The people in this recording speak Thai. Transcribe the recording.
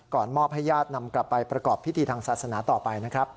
มอบให้ญาตินำกลับไปประกอบพิธีทางศาสนาต่อไปนะครับ